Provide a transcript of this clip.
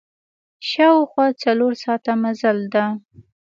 شاوخوا څلور ساعته مزل ده.